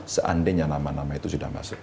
seandainya nama nama itu sudah masuk